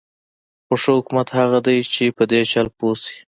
خو ښه حکومت هغه دی چې په دې چل پوه شي.